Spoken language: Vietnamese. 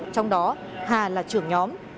trong đó hà là trưởng nhóm